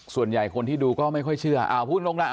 ส่วนใหญ่คนที่ดูก็ไม่ค่อยเชื่อพูดลงแล้ว